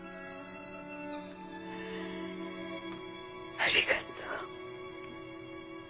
ありがとう。